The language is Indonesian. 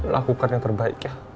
lakukan yang terbaik ya